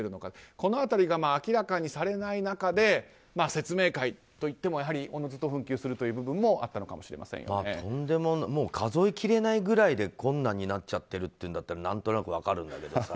この辺りが明らかにされない中で説明会といってもおのずと紛糾する部分ももう数えきれないくらいで困難になっちゃってるっていうんだったら何となく分かるんだけどさ。